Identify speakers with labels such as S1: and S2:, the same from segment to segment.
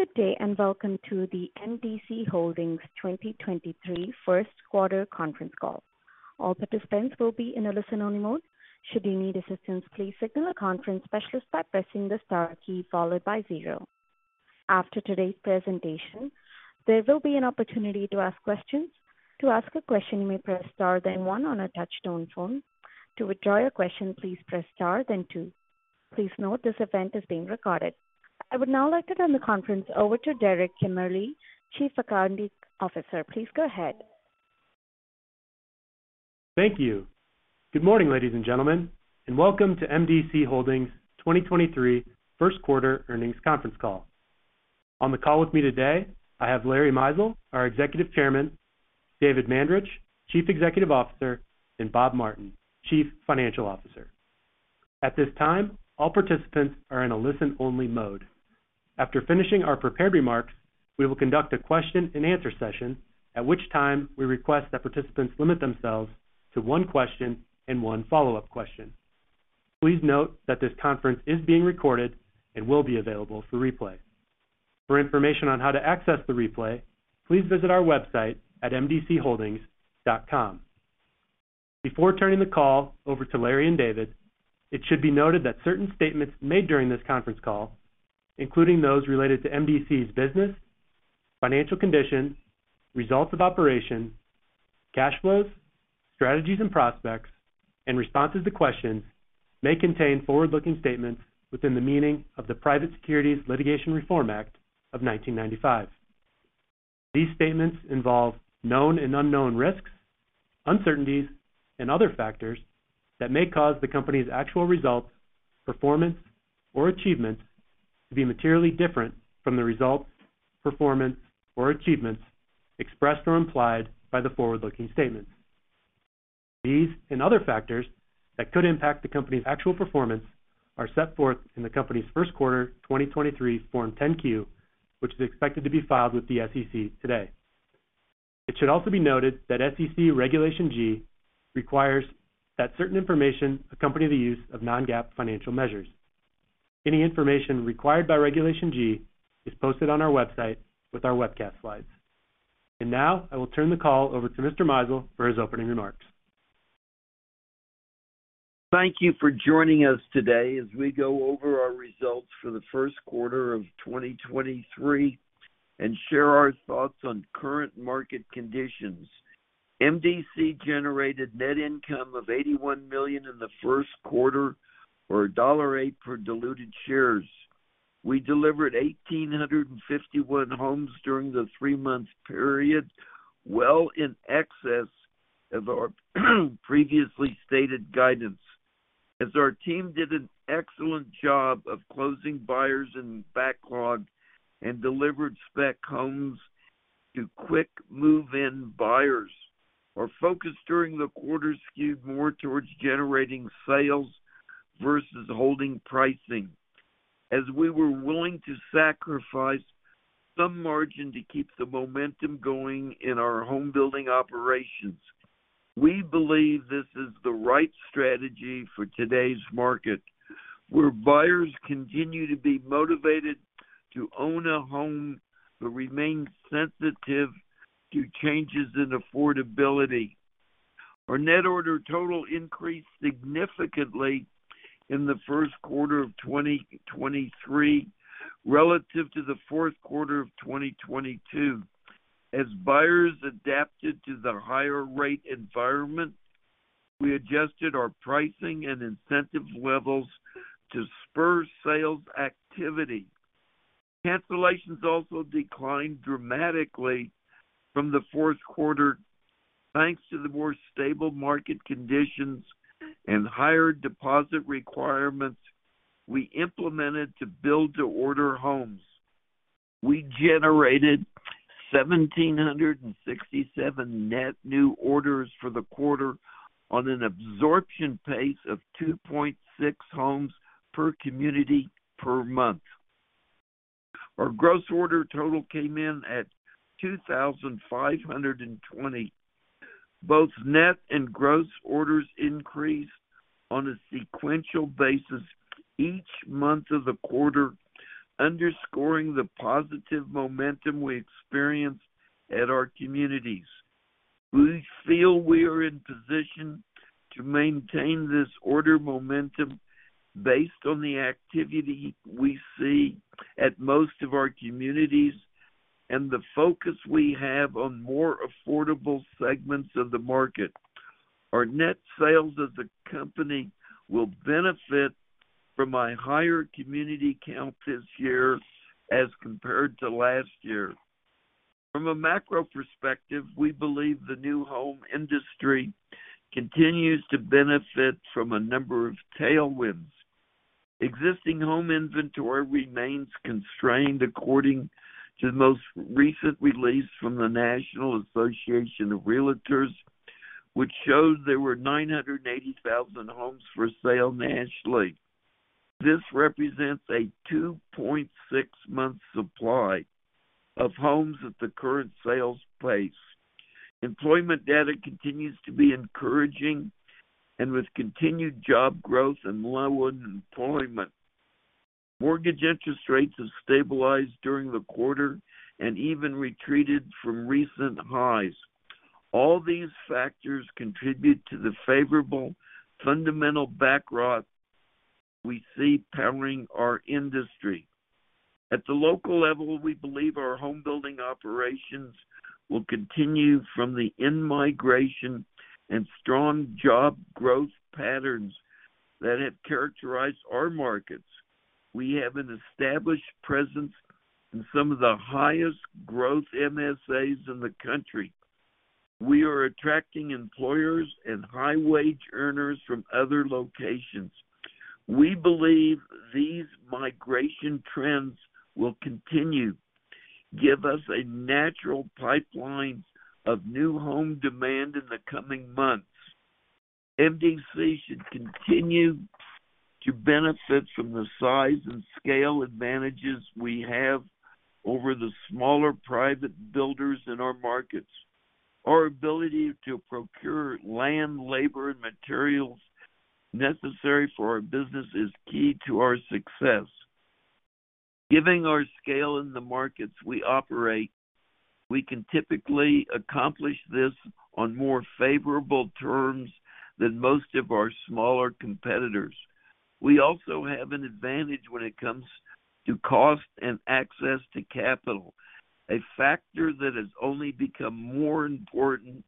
S1: Good day, welcome to the M.D.C. Holdings 2023 Q1 conference call. All participants will be in a listen-only mode. Should you need assistance, please signal a conference specialist by pressing the star key followed by zero. After today's presentation, there will be an opportunity to ask questions. To ask a question, you may press star then one on a touch-tone phone. To withdraw your question, please press star then two. Please note this event is being recorded. I would now like to turn the conference over to Derek Kimmerle, Chief Accounting Officer. Please go ahead.
S2: Thank you. Good morning, ladies and gentlemen, welcome to M.D.C. Holdings 2023 Q1 earnings conference call. On the call with me today, I have Larry Mizel, our Executive Chairman, David Mandarich, Chief Executive Officer, and Bob Martin, Chief Financial Officer. At this time, all participants are in a listen-only mode. After finishing our prepared remarks, we will conduct a question-and-answer session, at which time we request that participants limit themselves to one question and one follow-up question. Please note that this conference is being recorded and will be available for replay. For information on how to access the replay, please visit our website at mdcholdings.com. Before turning the call over to Larry and David, it should be noted that certain statements made during this conference call, including those related to M.D.C.'s business, financial conditions, results of operation, cash flows, strategies and prospects, and responses to questions may contain forward-looking statements within the meaning of the Private Securities Litigation Reform Act of 1995. These statements involve known and unknown risks, uncertainties, and other factors that may cause the company's actual results, performance, or achievements to be materially different from the results, performance, or achievements expressed or implied by the forward-looking statements. These and other factors that could impact the company's actual performance are set forth in the company's Q1 2023 Form 10-Q, which is expected to be filed with the SEC today. It should also be noted that SEC Regulation G requires that certain information accompany the use of non-GAAP financial measures. Any information required by Regulation G is posted on our website with our webcast slides. Now I will turn the call over to Mr. Mizel for his opening remarks.
S3: Thank you for joining us today as we go over our results for the Q1 of 2023 and share our thoughts on current market conditions. M.D.C. generated net income of $81 million in the Q1 or $1.08 per diluted shares. We delivered 1,851 homes during the 3-month period, well in excess of our previously stated guidance, as our team did an excellent job of closing buyers in backlog and delivered spec homes to quick move-in buyers. Our focus during the quarter skewed more towards generating sales versus holding pricing as we were willing to sacrifice some margin to keep the momentum going in our home building operations. We believe this is the right strategy for today's market, where buyers continue to be motivated to own a home but remain sensitive to changes in affordability. Our net order total increased significantly in the Q1 of 2023 relative to the Q4 of 2022. As buyers adapted to the higher rate environment, we adjusted our pricing and incentive levels to spur sales activity. Cancellations also declined dramatically from the Q4, thanks to the more stable market conditions and higher deposit requirements we implemented to build-to-order homes. We generated 1,767 net new orders for the quarter on an absorption pace of 2.6 homes per community per month. Our gross order total came in at 2,520. Both net and gross orders increased on a sequential basis each month of the quarter, underscoring the positive momentum we experienced at our communities. We feel we are in position to maintain this order momentum based on the activity we see at most of our communities and the focus we have on more affordable segments of the market. Our net sales as a company will benefit from a higher community count this year as compared to last year. From a macro perspective, we believe the new home industry continues to benefit from a number of tailwinds. Existing home inventory remains constrained according to the most recent release from the National Association of Realtors, which shows there were 980,000 homes for sale nationally. This represents a 2.6 month supply of homes at the current sales pace. Employment data continues to be encouraging with continued job growth and low unemployment. Mortgage interest rates have stabilized during the quarter and even retreated from recent highs. All these factors contribute to the favorable fundamental backdrop we see powering our industry. At the local level, we believe our home building operations will continue from the in-migration and strong job growth patterns that have characterized our markets. We have an established presence in some of the highest growth MSAs in the country. We are attracting employers and high-wage earners from other locations. We believe these migration trends will continue give us a natural pipeline of new home demand in the coming months. M.D.C. should continue to benefit from the size and scale advantages we have over the smaller private builders in our markets. Our ability to procure land, labor, and materials necessary for our business is key to our success. Given our scale in the markets we operate, we can typically accomplish this on more favorable terms than most of our smaller competitors. We also have an advantage when it comes to cost and access to capital, a factor that has only become more important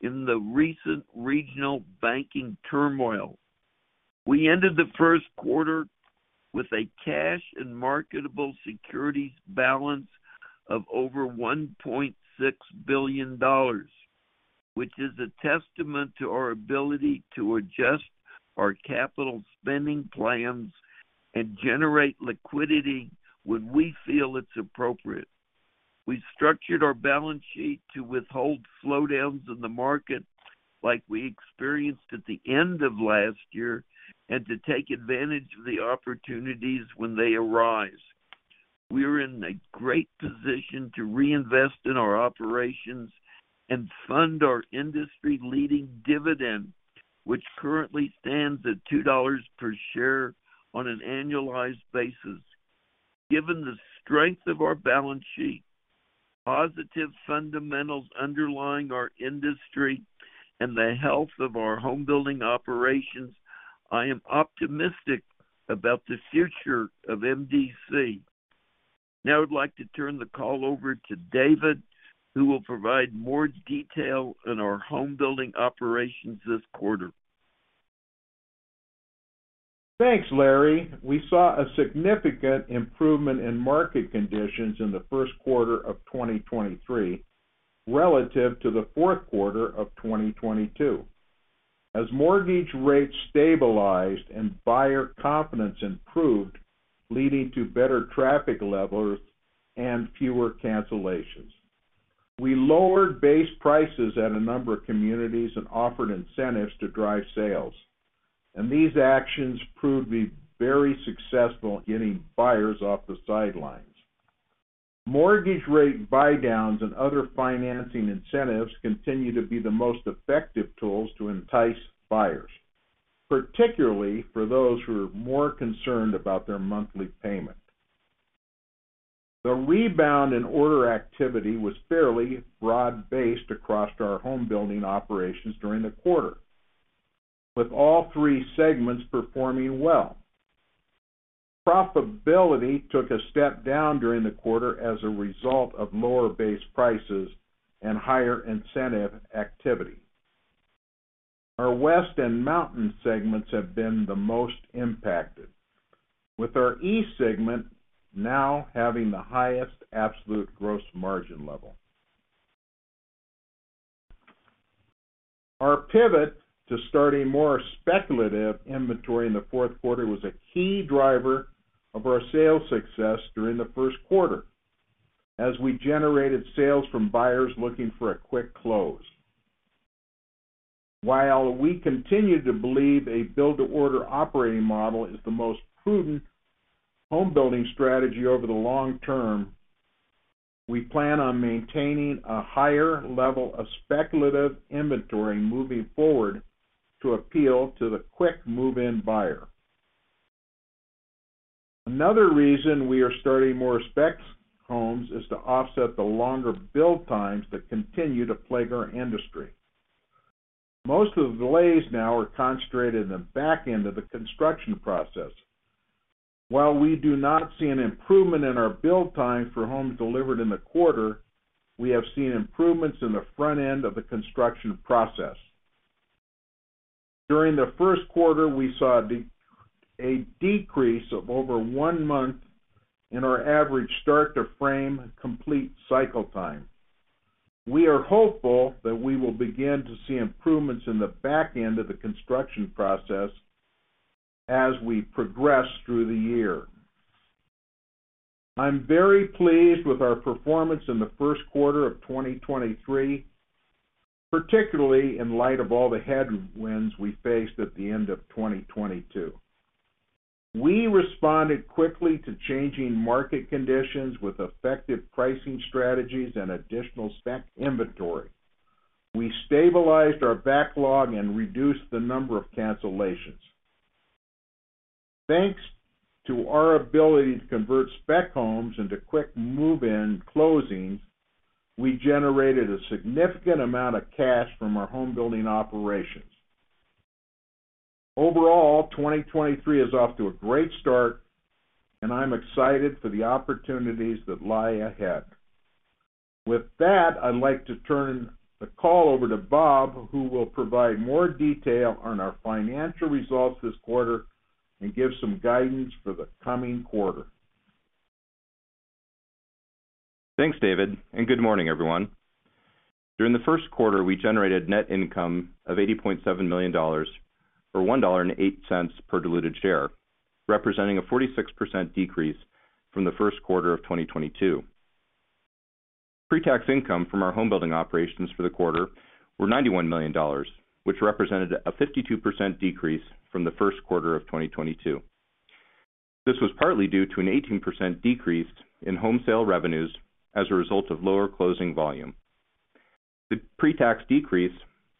S3: in the recent regional banking turmoil. We ended the Q1 with a cash and marketable securities balance of over $1.6 billion, which is a testament to our ability to adjust our capital spending plans and generate liquidity when we feel it's appropriate. We structured our balance sheet to withhold slowdowns in the market like we experienced at the end of last year, and to take advantage of the opportunities when they arise. We are in a great position to reinvest in our operations and fund our industry-leading dividend, which currently stands at $2 per share on an annualized basis. Given the strength of our balance sheet, positive fundamentals underlying our industry, and the health of our home building operations, I am optimistic about the future of M.D.C.. Now I'd like to turn the call over to David, who will provide more detail on our home building operations this quarter.
S4: Thanks, Larry. We saw a significant improvement in market conditions in the Q1 of 2023 relative to the Q4 of 2022 as mortgage rates stabilized and buyer confidence improved, leading to better traffic levels and fewer cancellations. We lowered base prices at a number of communities and offered incentives to drive sales, and these actions proved to be very successful in getting buyers off the sidelines. Mortgage rate buydowns and other financing incentives continue to be the most effective tools to entice buyers, particularly for those who are more concerned about their monthly payment. The rebound in order activity was fairly broad-based across our home building operations during the quarter, with all three segments performing well. Profitability took a step down during the quarter as a result of lower base prices and higher incentive activity. Our West and Mountain segments have been the most impacted with our East segment now having the highest absolute gross margin level. Our pivot to starting more speculative inventory in the Q4 was a key driver of our sales success during the Q1 as we generated sales from buyers looking for a quick close. While we continue to believe a build-to-order operating model is the most prudent home building strategy over the long term, we plan on maintaining a higher level of speculative inventory moving forward to appeal to the quick move-in buyer. Another reason we are starting more specs homes is to offset the longer build times that continue to plague our industry. Most of the delays now are concentrated in the back end of the construction process. While we do not see an improvement in our build time for homes delivered in the quarter, we have seen improvements in the front end of the construction process. During the Q1, we saw a decrease of over one month in our average start to frame complete cycle time. We are hopeful that we will begin to see improvements in the back end of the construction process as we progress through the year. I'm very pleased with our performance in the Q1 of 2023, particularly in light of all the headwinds we faced at the end of 2022. We responded quickly to changing market conditions with effective pricing strategies and additional spec inventory. We stabilized our backlog and reduced the number of cancellations. Thanks to our ability to convert spec homes into quick move-in closings, we generated a significant amount of cash from our homebuilding operations. Overall, 2023 is off to a great start, I'm excited for the opportunities that lie ahead. With that, I'd like to turn the call over to Bob, who will provide more detail on our financial results this quarter and give some guidance for the coming quarter.
S5: Thanks, David. Good morning everyone. During the Q1, we generated net income of $80.7 million or $1.08 per diluted share, representing a 46% decrease from the Q1 of 2022. Pre-tax income from our homebuilding operations for the quarter were $91 million, which represented a 52% decrease from the Q1 of 2022. This was partly due to an 18% decrease in home sale revenues as a result of lower closing volume. The pre-tax decrease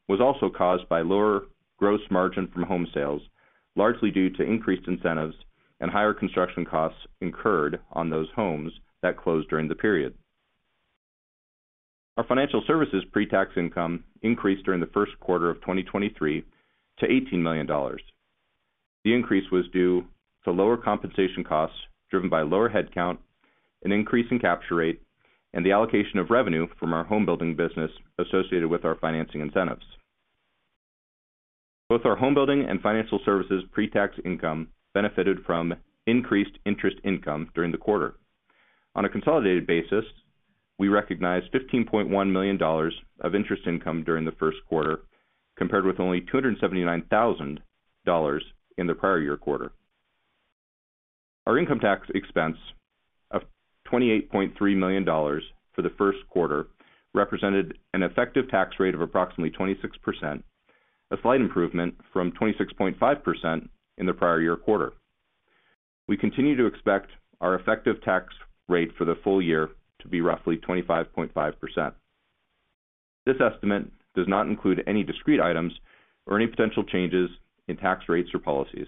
S5: was also caused by lower gross margin from home sales, largely due to increased incentives and higher construction costs incurred on those homes that closed during the period. Our financial services pre-tax income increased during the Q1 of 2023 to $18 million. The increase was due to lower compensation costs driven by lower headcount, an increase in capture rate, and the allocation of revenue from our home building business associated with our financing incentives. Both our home building and financial services pre-tax income benefited from increased interest income during the quarter. On a consolidated basis, we recognized $15.1 million of interest income during the Q1, compared with only $279,000 in the prior year quarter. Our income tax expense of $28.3 million for the Q1 represented an effective tax rate of approximately 26%, a slight improvement from 26.5% in the prior year quarter. We continue to expect our effective tax rate for the full year to be roughly 25.5%. This estimate does not include any discrete items or any potential changes in tax rates or policies.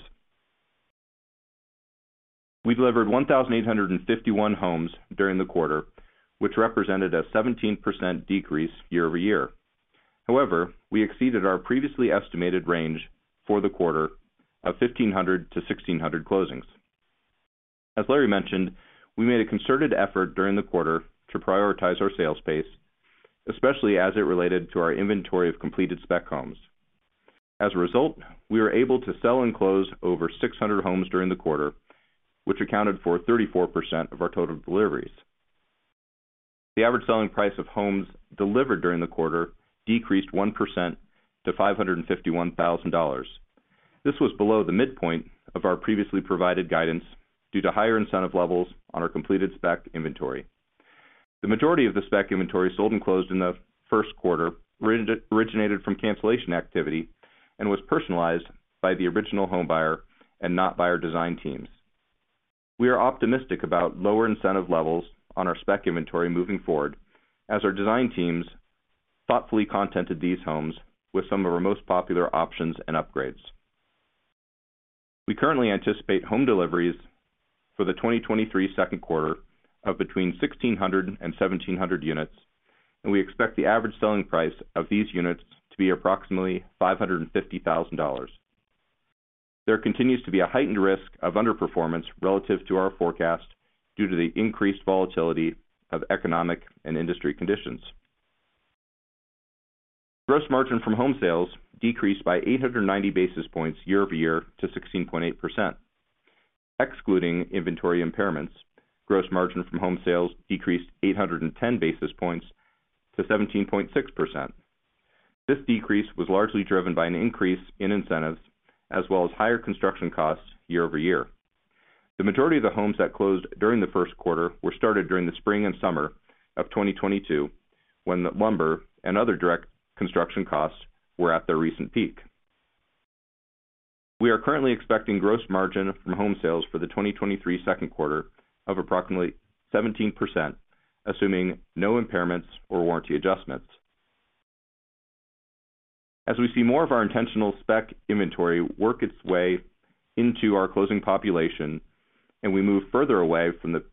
S5: We delivered 1,851 homes during the quarter, which represented a 17% decrease year-over-year. We exceeded our previously estimated range for the quarter of 1,500-1,600 closings. As Larry mentioned, we made a concerted effort during the quarter to prioritize our sales pace, especially as it related to our inventory of completed spec homes. As a result, we were able to sell and close over 600 homes during the quarter, which accounted for 34% of our total deliveries. The average selling price of homes delivered during the quarter decreased 1% to $551,000. This was below the midpoint of our previously provided guidance due to higher incentive levels on our completed spec inventory. The majority of the spec inventory sold and closed in the Q1 originated from cancellation activity and was personalized by the original homebuyer and not by our design teams. We are optimistic about lower incentive levels on our spec inventory moving forward as our design teams thoughtfully contented these homes with some of our most popular options and upgrades. We currently anticipate home deliveries for the 2023 Q2 of between 1,600 and 1,700 units, and we expect the average selling price of these units to be approximately $550,000. There continues to be a heightened risk of underperformance relative to our forecast due to the increased volatility of economic and industry conditions. Gross margin from home sales decreased by 890 basis points year-over-year to 16.8%. Excluding inventory impairments, gross margin from home sales decreased 810 basis points to 17.6%. This decrease was largely driven by an increase in incentives as well as higher construction costs year-over-year. The majority of the homes that closed during the Q1 were started during the spring and summer of 2022, when lumber and other direct construction costs were at their recent peak. We are currently expecting gross margin from home sales for the 2023 Q2 of approximately 17%, assuming no impairments or warranty adjustments. As we see more of our intentional spec inventory work its way into our closing population and we move further away from the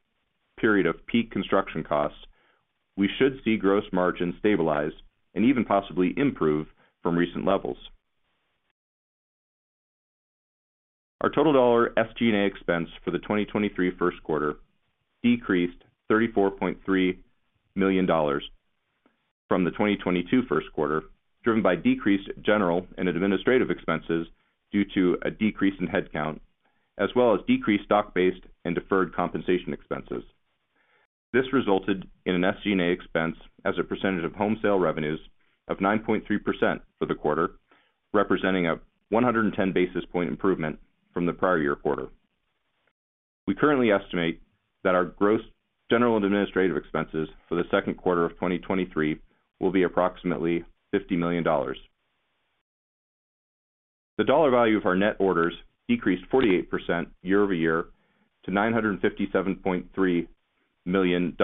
S5: period of peak construction costs, we should see gross margin stabilize and even possibly improve from recent levels. Our total dollar SG&A expense for the 2023 Q1 decreased $34.3 million from the 2022 Q1, driven by decreased general and administrative expenses due to a decrease in headcount, as well as decreased stock-based and deferred compensation expenses. This resulted in an SG&A expense as a percentage of home sale revenues of 9.3% for the quarter, representing a 110 basis point improvement from the prior year quarter. We currently estimate that our gross general and administrative expenses for the Q2 of 2023 will be approximately $50 million. The dollar value of our net orders decreased 48% year-over-year to $957.3 million,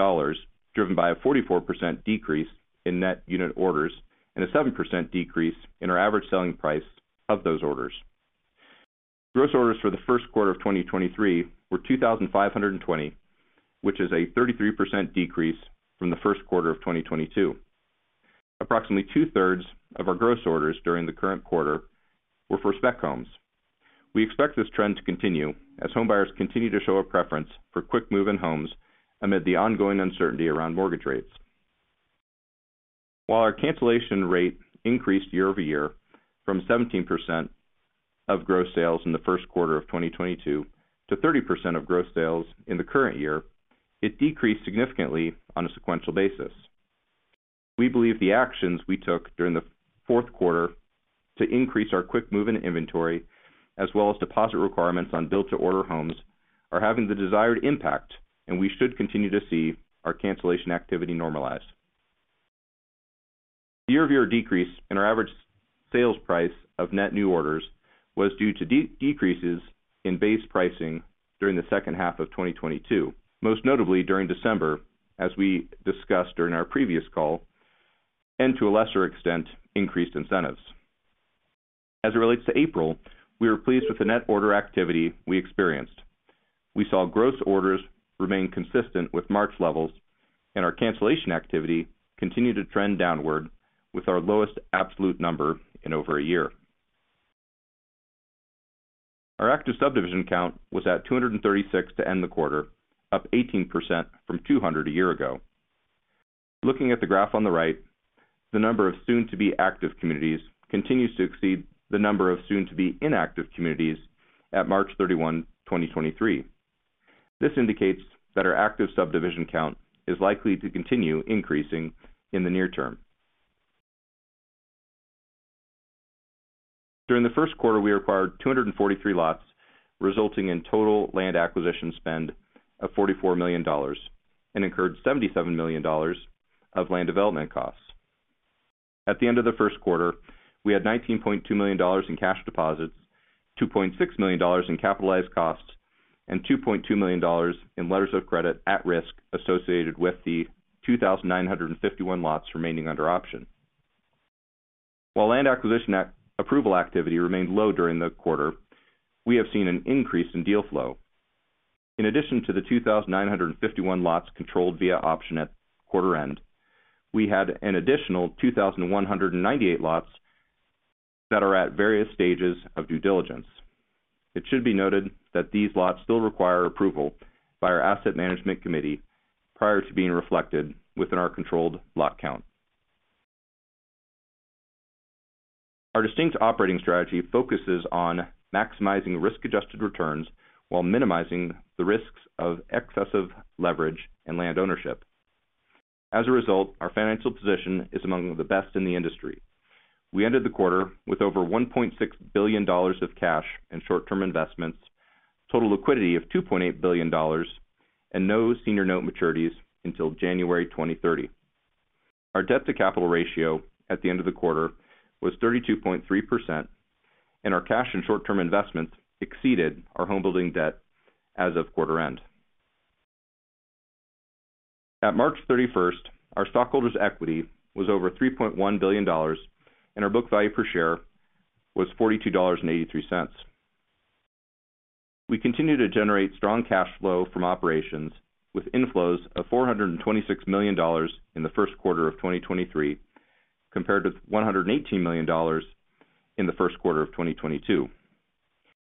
S5: driven by a 44% decrease in net unit orders and a 7% decrease in our average selling price of those orders. Gross orders for the Q1 of 2023 were 2,520, which is a 33% decrease from the Q1 of 2022. Approximately two-thirds of our gross orders during the current quarter were for spec homes. We expect this trend to continue as homebuyers continue to show a preference for quick move-in homes amid the ongoing uncertainty around mortgage rates. While our cancellation rate increased year-over-year from 17% of gross sales in the Q1 of 2022 to 30% of gross sales in the current year, it decreased significantly on a sequential basis. We believe the actions we took during the Q4 to increase our quick move-in inventory, as well as deposit requirements on build-to-order homes, are having the desired impact, and we should continue to see our cancellation activity normalize. The year-over-year decrease in our average sales price of net new orders was due to decreases in base pricing during the second half of 2022, most notably during December, as we discussed during our previous call, and to a lesser extent, increased incentives. As it relates to April, we were pleased with the net order activity we experienced. We saw gross orders remain consistent with March levels and our cancellation activity continued to trend downward with our lowest absolute number in over a year. Our active subdivision count was at 236 to end the quarter, up 18% from 200 a year ago. Looking at the graph on the right, the number of soon-to-be active communities continues to exceed the number of soon-to-be inactive communities at March 31, 2023. This indicates that our active subdivision count is likely to continue increasing in the near term. During the Q1, we acquired 243 lots, resulting in total land acquisition spend of $44 million and incurred $77 million of land development costs. At the end of the Q1, we had $19.2 million in cash deposits, $2.6 million in capitalized costs, and $2.2 million in letters of credit at risk associated with the 2,951 lots remaining under option. While land acquisition at approval activity remained low during the quarter, we have seen an increase in deal flow. In addition to the 2,951 lots controlled via option at quarter end, we had an additional 2,198 lots that are at various stages of due diligence. It should be noted that these lots still require approval by our asset management committee prior to being reflected within our controlled lot count. Our distinct operating strategy focuses on maximizing risk-adjusted returns while minimizing the risks of excessive leverage and land ownership. As a result, our financial position is among the best in the industry. We ended the quarter with over $1.6 billion of cash and short-term investments, total liquidity of $2.8 billion and no senior note maturities until January 2030. Our debt-to-capital ratio at the end of the quarter was 32.3% and our cash and short-term investments exceeded our home building debt as of quarter end. At March 31st, our stockholders' equity was over $3.1 billion and our book value per share was $42.83. We continue to generate strong cash flow from operations with inflows of $426 million in the Q1 of 2023, compared to $118 million in the Q1 of 2022.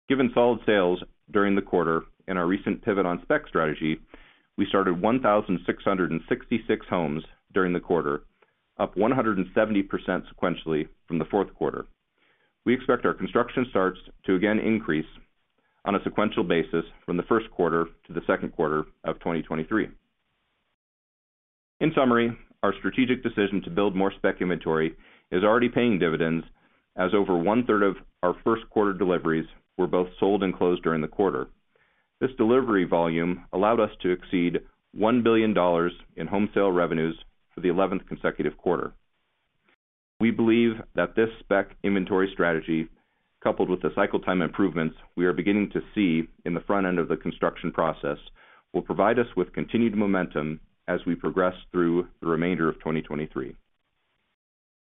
S5: Given solid sales during the quarter and our recent pivot on spec strategy, we started 1,666 homes during the quarter, up 170% sequentially from the Q4. We expect our construction starts to again increase on a sequential basis from the Q1 to the Q2 of 2023. In summary, our strategic decision to build more spec inventory is already paying dividends as over one-third of our Q1 deliveries were both sold and closed during the quarter. This delivery volume allowed us to exceed $1 billion in home sale revenues for the eleventh consecutive quarter. We believe that this spec inventory strategy, coupled with the cycle time improvements we are beginning to see in the front end of the construction process, will provide us with continued momentum as we progress through the remainder of 2023.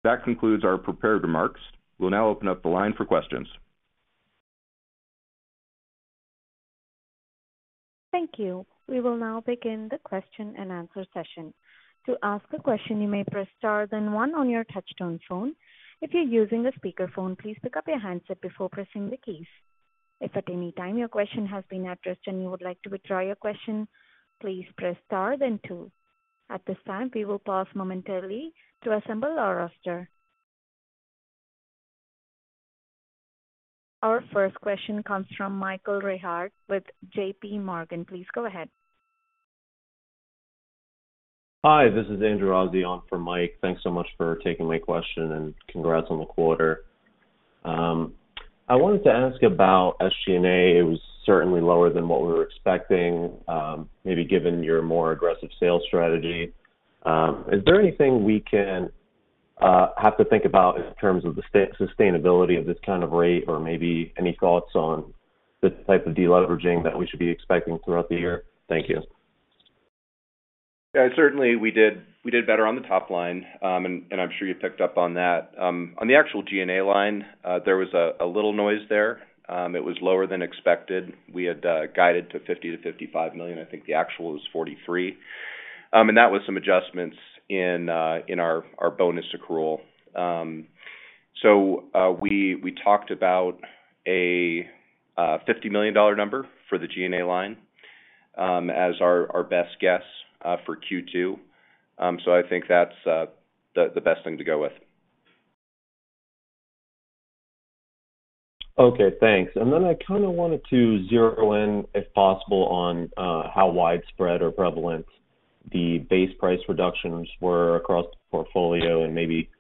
S5: That concludes our prepared remarks. We'll now open up the line for questions.
S1: Thank you. We will now begin the Q&A session. To ask a question, you may press star then one on your touchtone phone. If you're using a speakerphone, please pick up your handset before pressing the keys. If at any time your question has been addressed and you would like to withdraw your question, please press star then two. At this time, we will pause momentarily to assemble our roster. Our first question comes from Michael Rehaut with JPMorgan. Please go ahead.
S6: Hi, this is Andrew Azzi on for Mike. Thanks so much for taking my question. Congrats on the quarter. I wanted to ask about SG&A. It was certainly lower than what we were expecting, maybe given your more aggressive sales strategy. Is there anything we can have to think about in terms of the sustainability of this kind of rate or maybe any thoughts on the type of de-leveraging that we should be expecting throughout the year? Thank you.
S5: Yeah, certainly we did, we did better on the top line. I'm sure you picked up on that. On the actual G&A line, there was a little noise there. It was lower than expected. We had guided to $50 million-$55 million. I think the actual was $43 million. And that was some adjustments in our bonus accrual. We talked about a $50 million number for the G&A line, as our best guess for Q2. I think that's the best thing to go with.
S6: Okay, thanks. I kinda wanted to zero in if possible on how widespread or prevalent the base price reductions were across the portfolio and maybe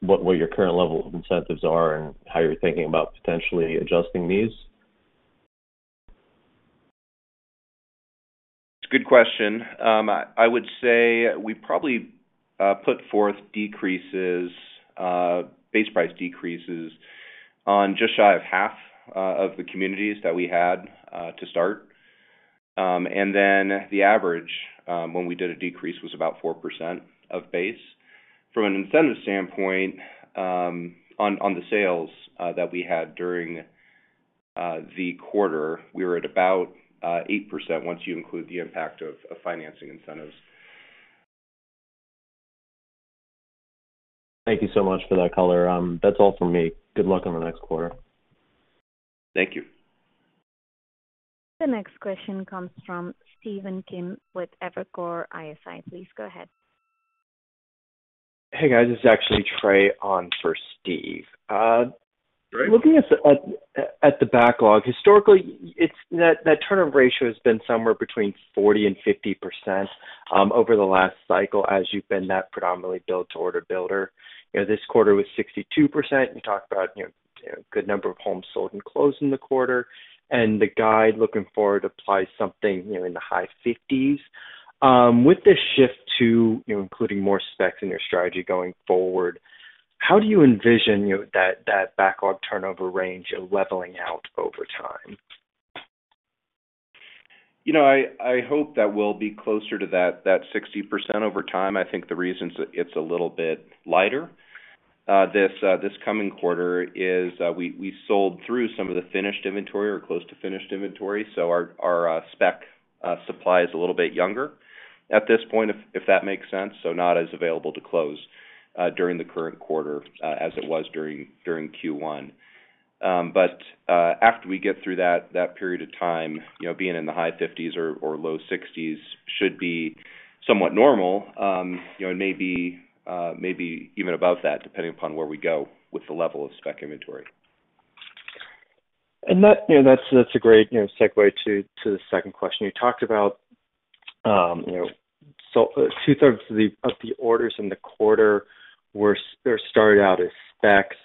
S6: what your current level of incentives are and how you're thinking about potentially adjusting these.
S5: It's a good question. I would say we probably put forth decreases, base price decreases on just shy of half of the communities that we had to start. The average, when we did a decrease was about 4% of base. From an incentive standpoint, on the sales that we had during the quarter, we were at about 8% once you include the impact of financing incentives.
S6: Thank you so much for that color. That's all for me. Good luck on the next quarter.
S5: Thank you.
S1: The next question comes from Stephen Kim with Evercore ISI. Please go ahead.
S7: Hey, guys. This is actually Trey on for Stephen.
S5: Great.
S7: Looking at the backlog, historically, it's that turnover ratio has been somewhere between 40% and 50% over the last cycle as you've been that predominantly build-to-order builder. You know, this quarter was 62%. You talked about, you know, a good number of homes sold and closed in the quarter, the guide looking forward applies something, you know, in the high 50s. With this shift to, you know, including more specs in your strategy going forward, how do you envision, you know, that backlog turnover range leveling out over time?
S5: You know, I hope that we'll be closer to that 60% over time. I think the reason it's a little bit lighter, this coming quarter is, we sold through some of the finished inventory or close to finished inventory. So our, spec, supply is a little bit younger at this point, if that makes sense. So not as available to close, during the current quarter, as it was during Q1. After we get through that period of time, you know, being in the high 50s or low 60s should be somewhat normal, you know, and maybe even above that, depending upon where we go with the level of spec inventory.
S7: That, you know, that's a great, you know, segue to the second question. You talked about, you know, so, 2/3 of the orders in the quarter were or started out as specs.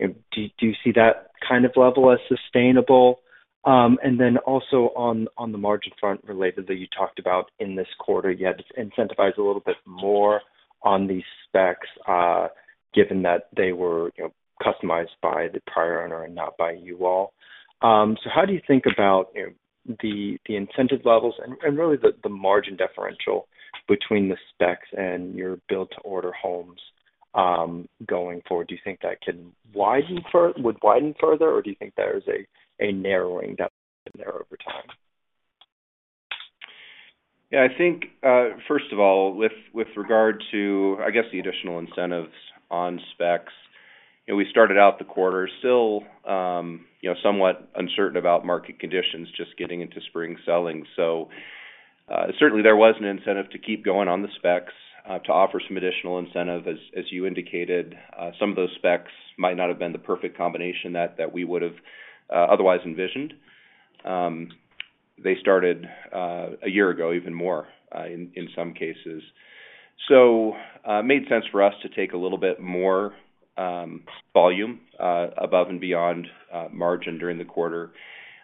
S7: Do you see that kind of level as sustainable? Also on the margin front related that you talked about in this quarter, you had to incentivize a little bit more on these specs, given that they were, you know, customized by the prior owner and not by you all. How do you think about, you know, the incentive levels and really the margin differential between the specs and your build-to-order homes, going forward? Do you think that would widen further, or do you think there's a narrowing down there over time?
S5: Yeah, I think, first of all, with regard to, I guess, the additional incentives on specs, you know, we started out the quarter still, you know, somewhat uncertain about market conditions just getting into spring selling. Certainly there was an incentive to keep going on the specs to offer some additional incentive. As you indicated, some of those specs might not have been the perfect combination that we would've otherwise envisioned. They started a year ago, even more, in some cases. Made sense for us to take a little bit more volume above and beyond margin during the quarter.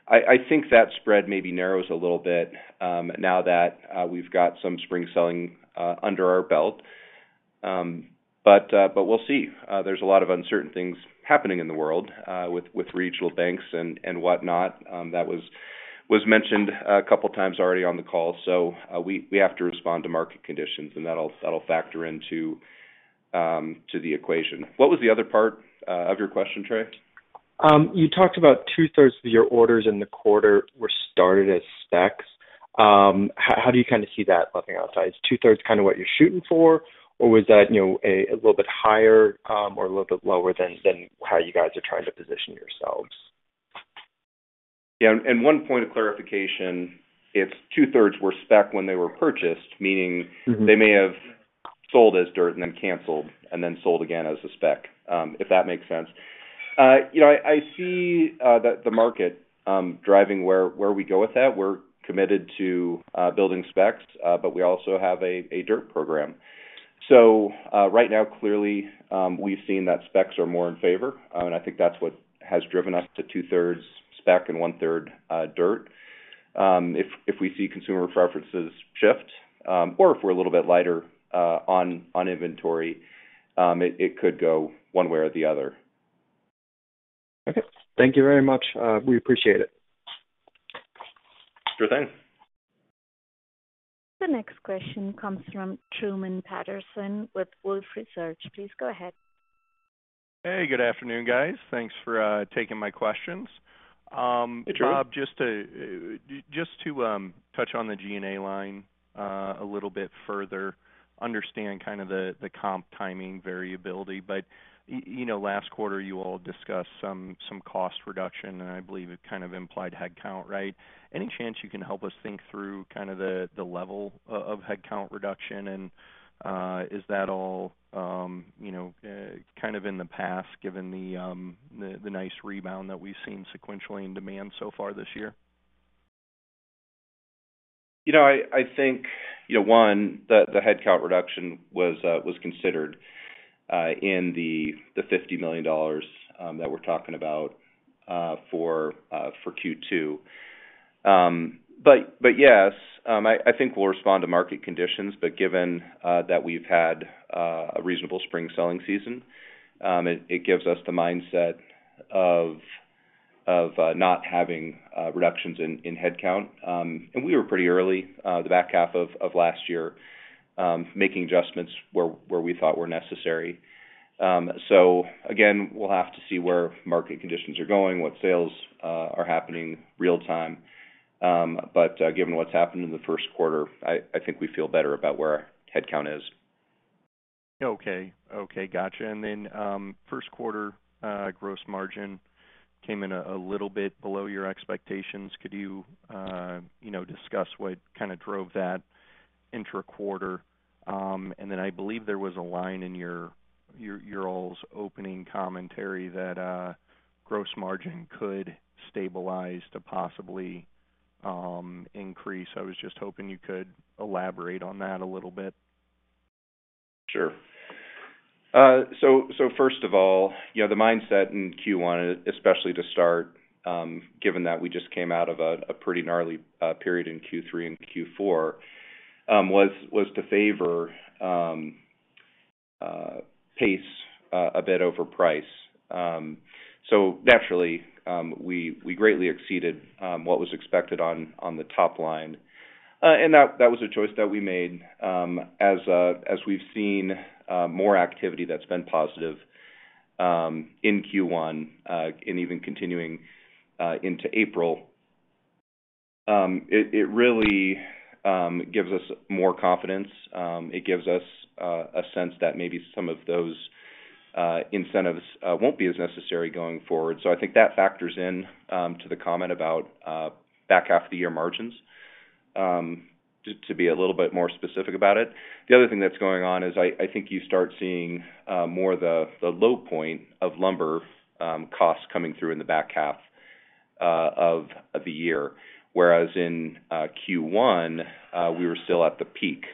S5: I think that spread maybe narrows a little bit now that we've got some spring selling under our belt. We'll see. There's a lot of uncertain things happening in the world, with regional banks and whatnot, that was mentioned a couple of times already on the call. We have to respond to market conditions, and that'll factor into the equation. What was the other part of your question, Trey?
S7: You talked about 2/3 of your orders in the quarter were started as specs. How do you kind of see that leveling outside? Is 2/3 kinda what you're shooting for, or was that, you know, a little bit higher, or a little bit lower than how you guys are trying to position yourselves?
S5: Yeah. One point of clarification, it's 2/3 were spec when they were purchased, meaning-
S7: Mm-hmm.
S5: They may have sold as dirt and then canceled and then sold again as a spec, if that makes sense.
S4: You know, I see the market driving where we go with that. We're committed to building specs, we also have a dirt program. Right now, clearly, we've seen that specs are more in favor, and I think that's what has driven us to 2/3 spec and 1/3 dirt. If we see consumer preferences shift, or if we're a little bit lighter on inventory, it could go one way or the other.
S7: Okay. Thank you very much. We appreciate it.
S5: Sure thing.
S1: The next question comes from Truman Patterson with Wolfe Research. Please go ahead.
S8: Good afternoon, guys. Thanks for taking my questions.
S5: Hey, Truman.
S8: Rob, just to touch on the G&A line a little bit further, understand kind of the comp timing variability. You know, last quarter, you all discussed some cost reduction, and I believe it kind of implied headcount, right? Any chance you can help us think through kind of the level of headcount reduction? Is that all you know, kind of in the past, given the nice rebound that we've seen sequentially in demand so far this year?
S5: You know, I think, you know, one, the headcount reduction was considered in the $50 million that we're talking about for Q2. Yes, I think we'll respond to market conditions, but given that we've had a reasonable spring selling season, it gives us the mindset of not having reductions in headcount. We were pretty early the back half of last year making adjustments where we thought were necessary. Again, we'll have to see where market conditions are going, what sales are happening real time. Given what's happened in the Q1, I think we feel better about where our headcount is.
S8: Okay. Okay, gotcha. Q1, gross margin came in a little bit below your expectations. Could you know, discuss what kinda drove that intra-quarter? I believe there was a line in your you all's opening commentary that gross margin could stabilize to possibly increase. I was just hoping you could elaborate on that a little bit.
S5: Sure. First of all, you know, the mindset in Q1, especially to start, given that we just came out of a pretty gnarly period in Q3 and Q4, was to favor pace a bit over price. Naturally, we greatly exceeded what was expected on the top line. That was a choice that we made as we've seen more activity that's been positive in Q1, and even continuing into April. It really gives us more confidence. It gives us a sense that maybe some of those incentives won't be as necessary going forward. I think that factors in to the comment about back half of the year margins to be a little bit more specific about it. The other thing that's going on is I think you start seeing more the low point of lumber costs coming through in the back half of the year, whereas in Q1, we were still at the peak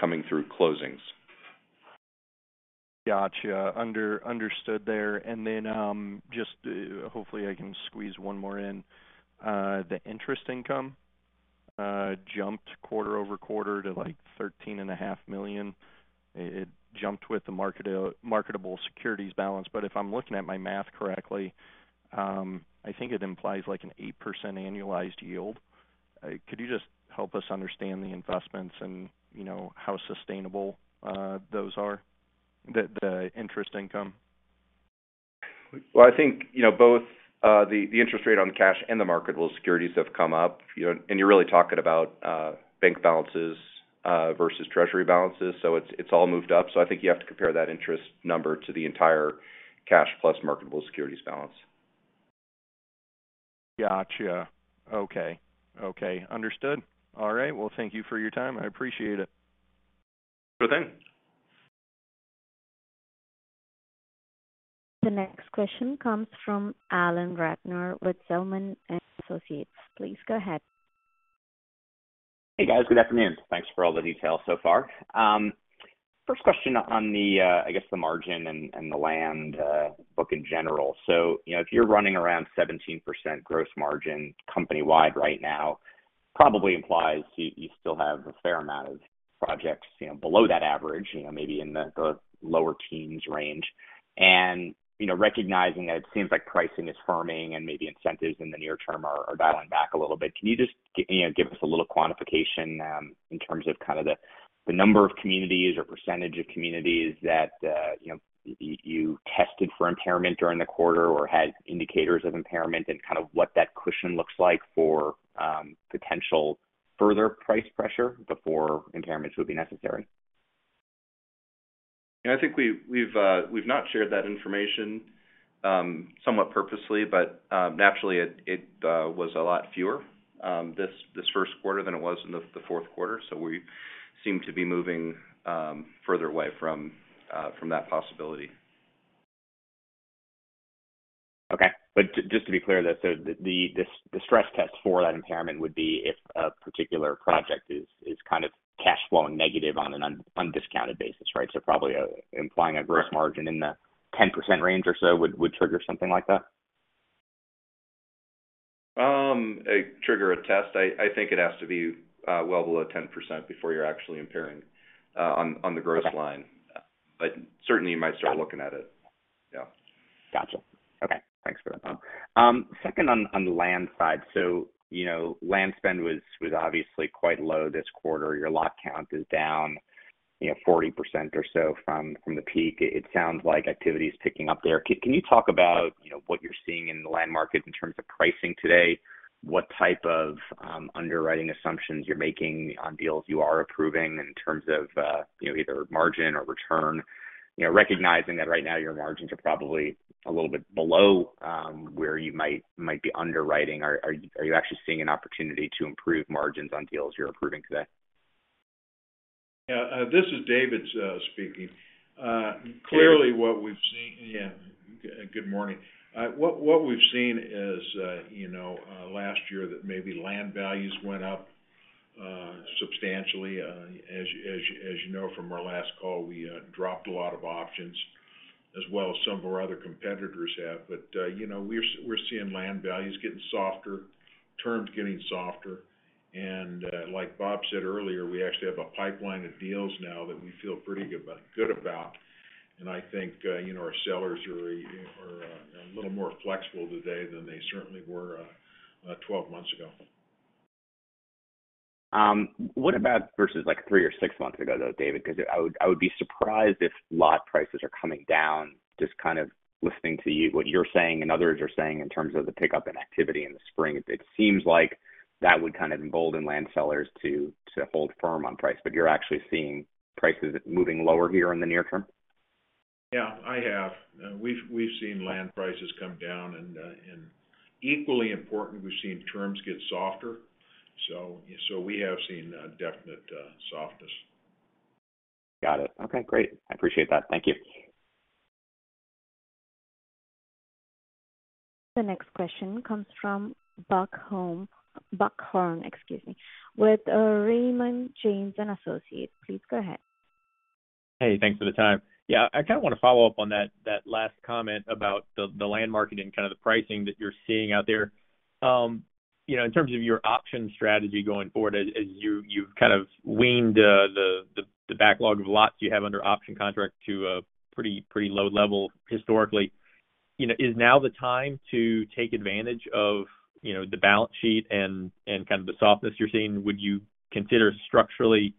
S5: coming through closings.
S8: Gotcha. Understood there. Just hopefully I can squeeze one more in. The interest income jumped quarter-over-quarter to, like, thirteen and a half million. It jumped with the marketable securities balance. If I'm looking at my math correctly, I think it implies, like, an 8% annualized yield. Could you just help us understand the investments and, you know, how sustainable those are, the interest income?
S5: Well, I think, you know, both the interest rate on the cash and the marketable securities have come up. You know, you're really talking about bank balances versus treasury balances, so it's all moved up. I think you have to compare that interest number to the entire cash plus marketable securities balance.
S8: Gotcha. Okay. Okay. Understood. All right. Well, thank you for your time. I appreciate it.
S5: Sure thing.
S1: The next question comes from Alan Ratner with Zelman & Associates. Please go ahead.
S9: Hey, guys. Good afternoon. Thanks for all the details so far. first question on the, I guess the margin and the land, book in general. You know, if you're running around 17% gross margin company-wide right now, probably implies you still have a fair amount of projects, you know, below that average, you know, maybe in the lower teens range. You know, recognizing that it seems like pricing is firming and maybe incentives in the near term are dialing back a little bit, can you just you know, give us a little quantification in terms of kind of the number of communities or percentage of communities that you know, you tested for impairment during the quarter or had indicators of impairment and kind of what that cushion looks like for potential further price pressure before impairments would be necessary?
S5: I think we've not shared that information somewhat purposely, but naturally it was a lot fewer this Q1 than it was in the Q4. We seem to be moving further away from that possibility.
S9: Okay. Just to be clear though, the stress test for that impairment would be if a particular project is kind of cash flowing negative on an undiscounted basis, right? Probably implying a gross margin in the 10% range or so would trigger something like that?
S5: Trigger a test. I think it has to be well below 10% before you're actually impairing on the gross line.
S9: Okay. Gotcha.
S5: Certainly you might start looking at it. Yeah.
S9: Gotcha. Okay. Thanks for that. second on the land side. You know, land spend was obviously quite low this quarter. Your lot count is down, you know, 40% or so from the peak. It sounds like activity is picking up there. Can you talk about, you know, what you're seeing in the land market in terms of pricing today? What type of underwriting assumptions you're making on deals you are approving in terms of, you know, either margin or return? You know, recognizing that right now your margins are probably a little bit below, where you might be underwriting. Are you actually seeing an opportunity to improve margins on deals you're approving today?
S4: Yeah. This is David speaking.
S9: David.
S4: Clearly what we've seen.
S9: Yeah. Good morning.
S4: What we've seen is, you know, last year that maybe land values went up substantially. As you know from our last call, we dropped a lot of options as well as some of our other competitors have. You know, we're seeing land values getting softer, terms getting softer. Like Bob said earlier, we actually have a pipeline of deals now that we feel pretty good about. I think, you know, our sellers are a little more flexible today than they certainly were 12 months ago.
S9: What about versus like 3 or 6 months ago, though, David? I would be surprised if lot prices are coming down, just kind of listening to you, what you're saying and others are saying in terms of the pickup in activity in the spring. It seems like that would kind of embolden land sellers to hold firm on price. You're actually seeing prices moving lower here in the near term?
S3: Yeah, I have. We've seen land prices come down. Equally important, we've seen terms get softer. We have seen a definite softness.
S9: Got it. Okay, great. I appreciate that. Thank you.
S1: The next question comes from Buck Horne, excuse me, with Raymond James & Associates. Please go ahead.
S10: Hey, thanks for the time. Yeah, I kind of want to follow up on that last comment about the land market and kind of the pricing that you're seeing out there. You know, in terms of your option strategy going forward, as you've kind of weaned the backlog of lots you have under option contract to a pretty low level historically. You know, is now the time to take advantage of, you know, the balance sheet and kind of the softness you're seeing? Would you consider structurally,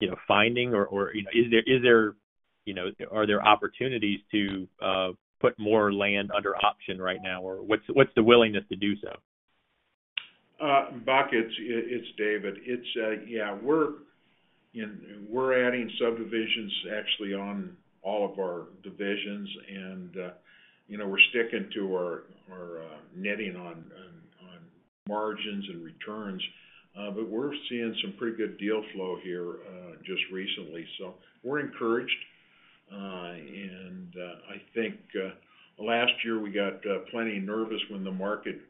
S10: you know, finding or, you know? Is there, you know, are there opportunities to put more land under option right now? Or what's the willingness to do so?
S4: Uh, Buck, it's, it's David. It's, uh, yeah, we're in-- we're adding subdivisions actually on all of our divisions. And, uh, you know, we're sticking to our, our, uh, netting on, on, on margins and returns. Uh, but we're seeing some pretty good deal flow here, uh, just recently. So we're encouraged. Uh, and, uh, I think, uh, last year we got, uh, plenty nervous when the market,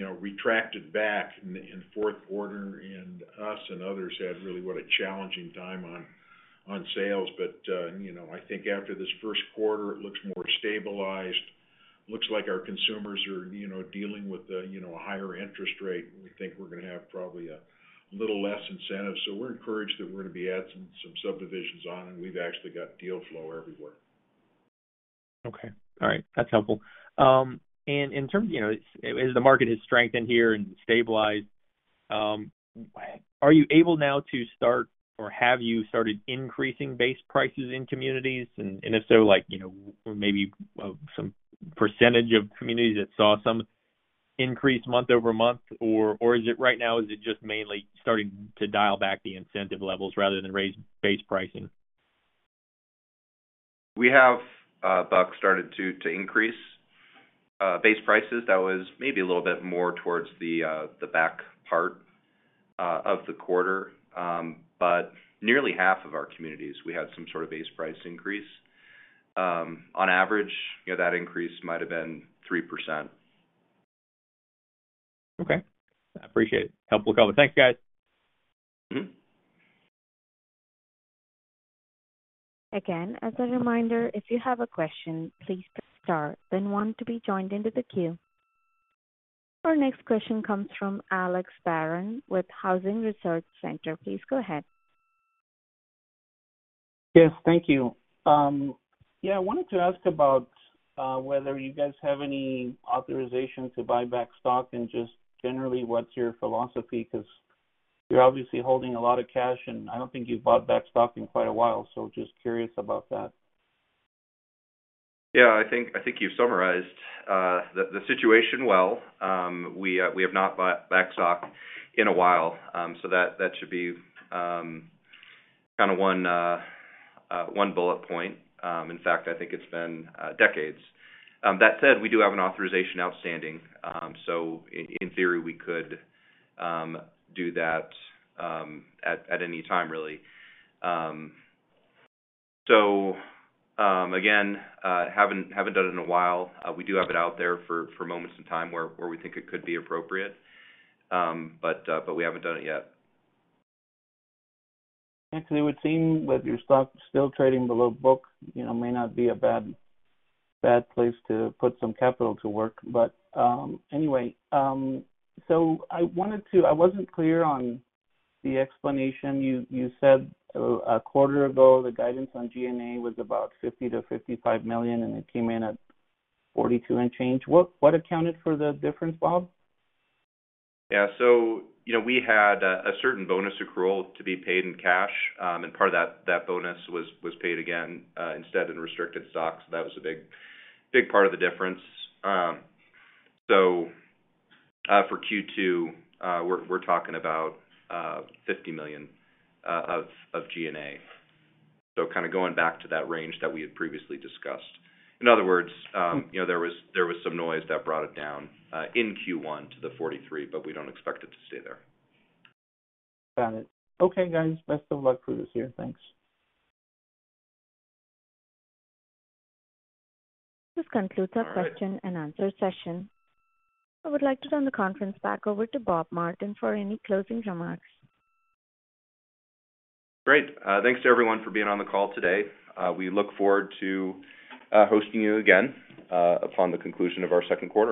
S4: uh, uh, you know, retracted back in, in Q1, and us and others had really, what a challenging time on, on sales. But, uh, you know, I think after this Q1, it looks more stabilized. Looks like our consumers are, you know, dealing with, uh, you know, a higher interest rate. We think we're gonna have probably a little less incentive. So we're encouraged that we're gonna be adding some subdivisions on, and we've actually got deal flow everywhere.
S10: Okay. All right. That's helpful. In terms, you know, as the market has strengthened here and stabilized, are you able now to start, or have you started increasing base prices in communities? If so, like, you know, maybe, some percentage of communities that saw some increase month-over-month, or is it right now, just mainly starting to dial back the incentive levels rather than raise base pricing?
S5: We have, Buck, started to increase base prices. That was maybe a little bit more towards the back part of the quarter. Nearly half of our communities, we had some sort of base price increase. On average, you know, that increase might have been 3%.
S10: Okay. I appreciate it. Helpful comment. Thanks, guys.
S5: Mm-hmm.
S1: Again, as a reminder, if you have a question, please press star then one to be joined into the queue. Our next question comes from Alex Barron with Housing Research Center. Please go ahead.
S11: Yes, thank you. yeah, I wanted to ask about, whether you guys have any authorization to buy back stock and just generally what's your philosophy? You're obviously holding a lot of cash, and I don't think you've bought back stock in quite a while. Just curious about that.
S5: Yeah, I think you've summarized the situation well. We have not bought back stock in a while. So that should be kind of one bullet point. In fact, I think it's been decades. That said, we do have an authorization outstanding. So in theory, we could do that at any time really. So again, haven't done it in a while. We do have it out there for moments in time where we think it could be appropriate. We haven't done it yet.
S11: Actually, it would seem with your stock still trading below book, you know, may not be a bad place to put some capital to work. Anyway, I wanted to. I wasn't clear on the explanation you said a quarter ago, the guidance on G&A was about $50 million-$55 million, and it came in at $42 million and change. What accounted for the difference, Bob?
S5: Yeah. you know, we had a certain bonus accrual to be paid in cash. Part of that bonus was paid again instead in restricted stock, so that was a big part of the difference. For Q2, we're talking about $50 million of G&A. kind of going back to that range that we had previously discussed. In other words-
S11: Hmm.
S5: you know, there was some noise that brought it down in Q1 to the 43, but we don't expect it to stay there.
S11: Got it. Okay, guys. Best of luck for this year. Thanks.
S1: This concludes our Q&A session. I would like to turn the conference back over to Bob Martin for any closing remarks.
S5: Great. Thanks to everyone for being on the call today. We look forward to hosting you again upon the conclusion of our Q2.